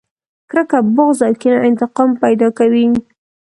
کرکه، بغض او کينه انتقام پیدا کوي.